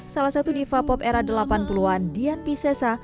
salah satu diva pop era delapan puluh an dian pisesa